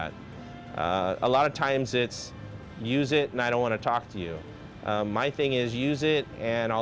hal saya adalah menggunakannya dan saya akan meninggalkan anda